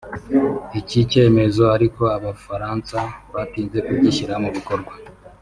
Iki cyemezo ariko Abafaransa batinze kugishyira mu bikorwa